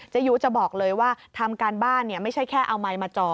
ยุจะบอกเลยว่าทำการบ้านไม่ใช่แค่เอาไมค์มาจ่อ